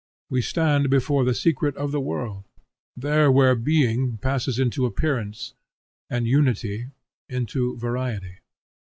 We stand before the secret of the world, there where Being passes into Appearance and Unity into Variety.